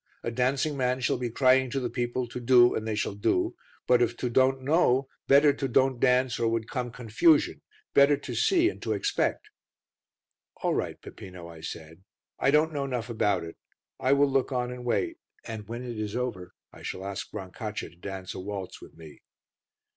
A dancing man shall be crying to the people to do and they shall do, but if to don't know, better to don't dance or would come confusion; better to see and to expect." "All right, Peppino," I said. "I don't know enough about it; I will look on and wait, and when it is over I shall ask Brancaccia to dance a waltz with me."